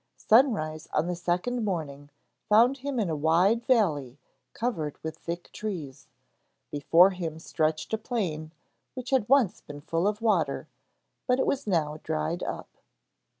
Sunrise on the second morning found him in a wide valley covered with thick trees. Before him stretched a plain which had once been full of water, but it was now dried up.